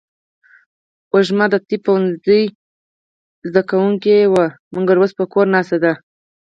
وږمه د طب پوهنځۍ زده کړیاله وه ، مګر اوس په کور ناسته ده.